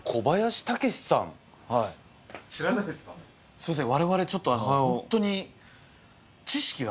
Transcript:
すいません。